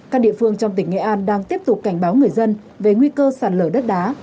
các địa phương trong tỉnh nghệ an đang tiếp tục cảnh báo người dân về nguy cơ sạt lở đất đá